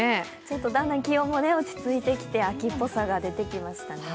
だんだん気温も落ち着いてきて秋っぽさが出てきましたね。